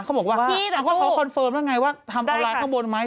เขาบอกว่าเขาทำแดงได้ไง